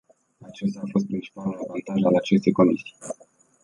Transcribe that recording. Acesta a fost principalul avantaj al acestei comisii.